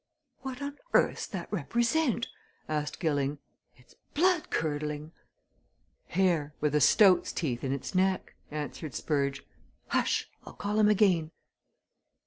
"What on earth's that represent?" asked Gilling. "It's blood curdling?" "Hare, with a stoat's teeth in its neck," answered Spurge. "H'sh I'll call him again."